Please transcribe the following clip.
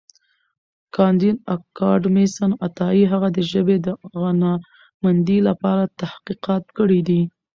کانديد اکاډميسن عطايي هغه د ژبې د غنامندۍ لپاره تحقیقات کړي دي.